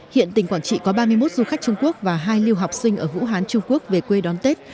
hiện tỉnh quảng trị có ba mươi một du khách trung quốc và hai lưu học sinh ở vũ hán trung quốc về quê đón tết